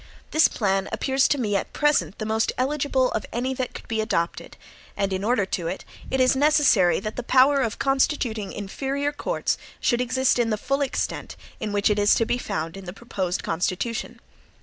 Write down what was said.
This plan appears to me at present the most eligible of any that could be adopted; and in order to it, it is necessary that the power of constituting inferior courts should exist in the full extent in which it is to be found in the proposed Constitution.